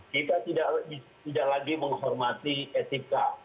kita tidak lagi menghormati etika